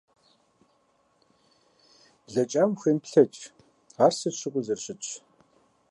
Блэкӏам ухуемыплъэкӏ, ар сыт щыгъуи зэрыщытщ.